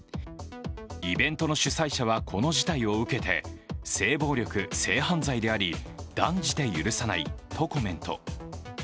イベントの主催者は、この事態を受けて性暴力・性犯罪であり断じて許さないとコメント。